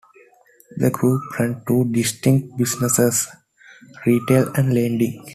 The group ran two distinct businesses: retail and lending.